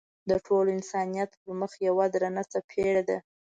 د ټول انسانیت پر مخ یوه درنه څپېړه ده.